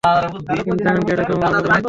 কিন্তু জানেন কি এটা কেমন লাগে, ম্যাম?